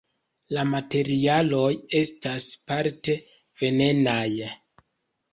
La materialoj estas parte venenaj.